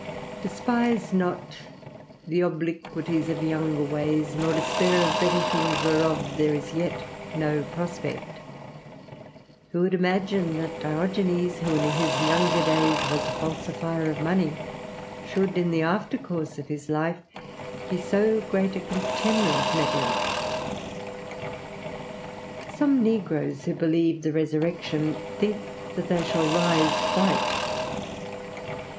Despise not the obliquities of younger ways, nor despair of better things whereof there is yet no prospect. Who would imagine that Diogenes, who in his younger days was a falsifier of money, should, in the after course of his life, be so great a contemner of metal? Some negroes, who believe the resurrection, think that they shall rise white.